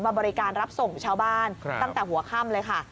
บริการรับส่งชาวบ้านตั้งแต่หัวค่ำเลยค่ะ